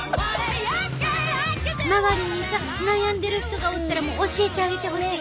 周りにさ悩んでる人がおったら教えてあげてほしいね！